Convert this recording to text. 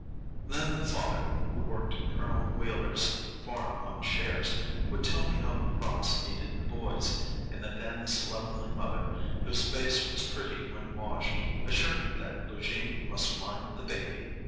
Then the father, who worked Colonel Wheeler's farm on shares, would tell me how the crops needed the boys; and the thin, slovenly mother, whose face was pretty when washed, assured me that Lugene must mind the baby.